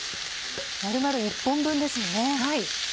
丸々１本分ですよね。